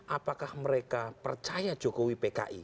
apakah mereka percaya jokowi pki